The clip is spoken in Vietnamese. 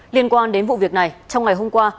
liên quan đến vụ việc này trong ngày hôm qua